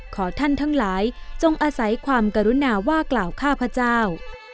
ขอท่านทั้งหลายจงอาศัยความกรุณาว่ากล่าวข้าพเจ้า